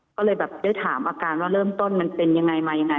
ก็เลยแบบได้ถามอาการว่าเริ่มต้นมันเป็นยังไงมายังไง